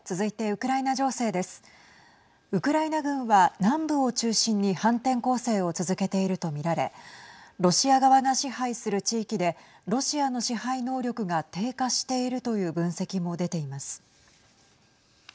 ウクライナ軍は南部を中心に反転攻勢を続けていると見られロシア側が支配する地域でロシアの支配能力が低下しているという分析も出ています。